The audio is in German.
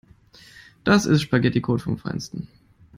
Das ist Spaghetticode vom Feinsten.